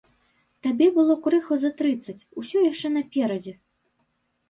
Табе было крыху за трыццаць, усё яшчэ наперадзе!